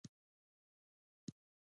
د جامو ګنډل یو ښه کسب دی